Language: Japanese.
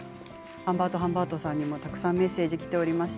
ハンバートハンバートさんにたくさんメッセージがきています。